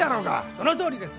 そのとおりです！